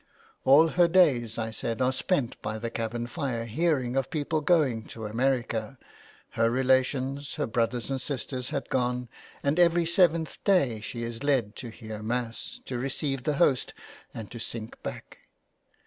All her days I said are spent by the cabin fire hearing of people going to America, her relations, her brothers and sisters had gone, and every seventh day she is led to hear Mass, to receive the Host, and to sink back.